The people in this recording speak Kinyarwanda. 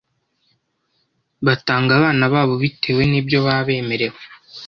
batanga abana babo bitewe n’ibyo baba bemerewe